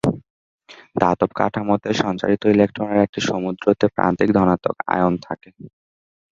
ধাতব কাঠামোতে সঞ্চারিত ইলেক্ট্রনের একটি "সমুদ্র" তে প্রান্তিক ধনাত্মক আয়ন থাকে।